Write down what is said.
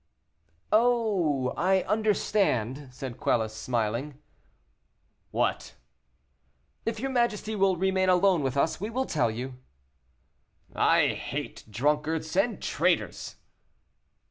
"Oh! I understand," said Quelus, smiling. "What?" "If your majesty will remain alone with us, we will tell you." "I hate drunkards and traitors."